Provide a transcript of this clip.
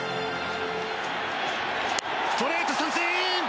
ストレート、三振！